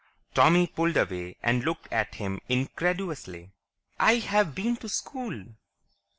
Tommy pulled away and looked at him incredulously. "I've been to school!"